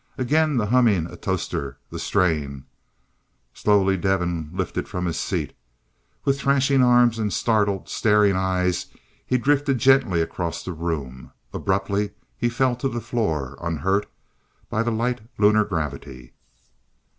Again the humming atostor, the strain Slowly Devin lifted from his seat. With thrashing arms and startled, staring eyes, he drifted gently across the room. Abruptly he fell to the floor, unhurt by the light Lunar gravity.